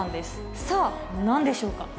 さぁ何でしょうか？